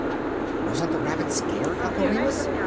"Wasn't the Rabbit scared, Uncle Remus?"